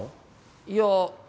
いや。